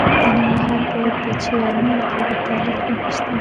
د ننګرهار په پچیر اګام کې د تالک نښې دي.